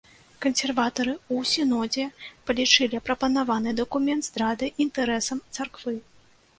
Кансерватары ў сінодзе палічылі прапанаваны дакумент здрадай інтарэсам царквы.